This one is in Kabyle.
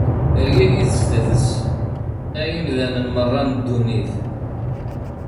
Rgagit sdat-s, ay imdanen merra n ddunit!